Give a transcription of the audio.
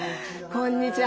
こんにちは。